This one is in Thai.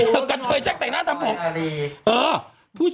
ผมรู้อย่างงี้